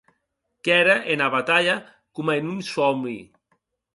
Qu’ère ena batalha coma en un sòmi.